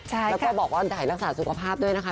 แล้วก็บอกว่าถ่ายรักษาสุขภาพด้วยนะคะ